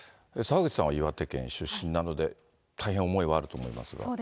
澤口さんは岩手県出身なので、大変思いはあると思いますが。